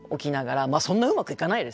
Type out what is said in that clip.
まあそんなうまくいかないですよ